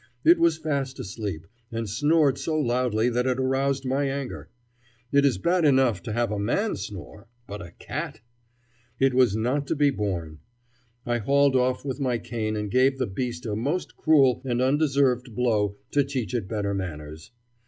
It was fast asleep, and snored so loudly that it aroused my anger. It is bad enough to have a man snore, but a cat ! It was not to be borne. I hauled off with my cane and gave the beast a most cruel and undeserved blow to teach it better manners.